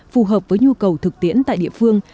phù hợp với nhu cầu thực tiễn tại địa phương